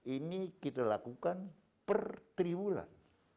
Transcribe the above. ini kita lakukan per tiga bulan